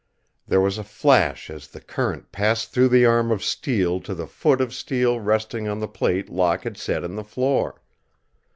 There was a flash as the current passed through the arm of steel to the foot of steel resting on the plate Locke had set in the floor.